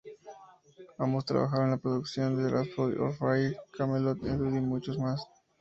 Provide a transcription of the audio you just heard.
Ambos trabajaron en la producción de Rhapsody of Fire, Kamelot, Edguy y muchos más.